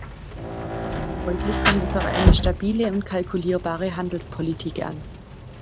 Folglich kommt es auf eine stabile und kalkulierbare Handelspolitik an.